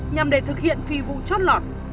nhằm để thực hiện phi vụ chót lọt